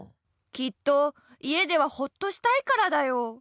きっと家ではほっとしたいからだよ。